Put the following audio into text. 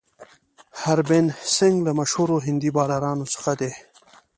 هربهن سنګ له مشهورو هندي بالرانو څخه دئ.